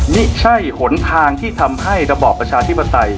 ไม่ใช่หนทางที่ทำให้ระบอบประชาธิปไตย